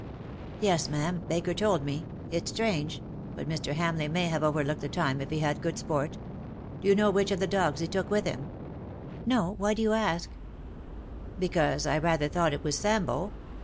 ^' "Yes, ma^am. Baker told me. It's strange — but Mr. Hamleigh may have overlooked the time if he had good sport. Do you know which of the dogs he took with him T' " No. Why do you ask V " Because I rather thought it was Sambo.